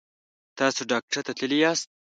تاسو ډاکټر ته تللي یاست؟